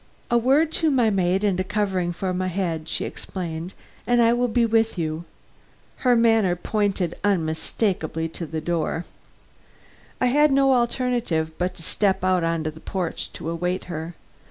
"A word to my maid and a covering for my head," she explained, "and I will be with you." Her manner pointed unmistakably to the door. I had no alternative but to step out on the porch to await her.